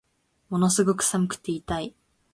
ものすごく寒くて痛い